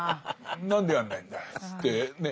「何でやんないんだい」って言ってね。